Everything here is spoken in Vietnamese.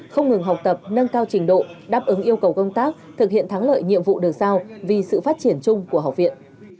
không ngừng học tập nâng cao trình độ đáp ứng yêu cầu công tác thực hiện thắng lợi nhiệm vụ được giao vì sự phát triển chung của học viện